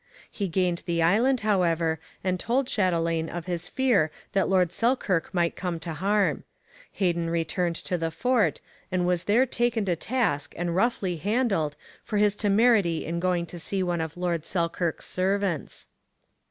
He gained the island, however, and told Chatelain of his fear that Lord Selkirk might come to harm. Heden returned to the fort, and was there taken to task and roughly handled for his temerity in going to see one of Lord Selkirk's servants.